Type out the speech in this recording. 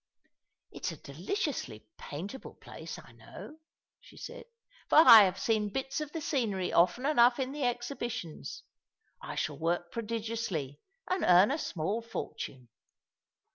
"It is a deliciously paintable place, I know," she said, "for I have seen hits of the scenery often enough in the exhibitions. I shall work prodigiously, and earn a small fortune."